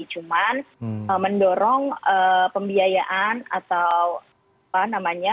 cuma mendorong pembiayaan atau apa namanya